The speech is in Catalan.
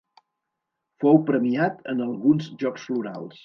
Fou premiat en alguns Jocs Florals.